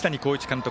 監督